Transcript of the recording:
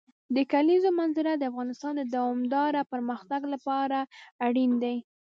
د کلیزو منظره د افغانستان د دوامداره پرمختګ لپاره اړین دي.